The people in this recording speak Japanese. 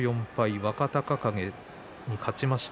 若隆景に勝ちました。